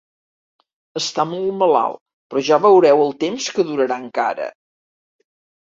Està molt malalt, però ja veureu el temps que durarà, encara!